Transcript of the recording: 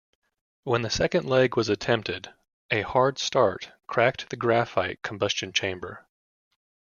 When the second leg was attempted, a 'hard start' cracked the graphite combustion chamber.